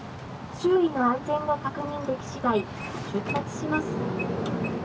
周囲の安全が確認できしだい、出発します。